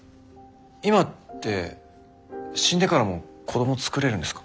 今って死んでからも子ども作れるんですか？